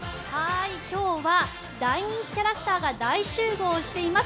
今日は大人気キャラクターが大集合しています